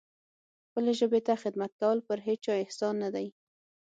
خپلې ژبې ته خدمت کول پر هیچا احسان نه دی.